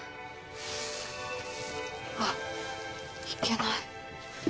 あっいけない。